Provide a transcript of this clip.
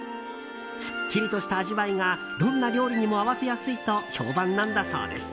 すっきりとした味わいがどんな料理にも合わせやすいと評判なんだそうです。